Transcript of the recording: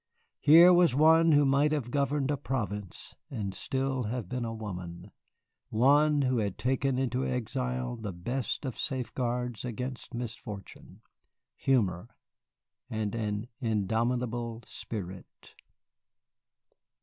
Here was one who might have governed a province and still have been a woman, one who had taken into exile the best of safeguards against misfortune, humor and an indomitable spirit.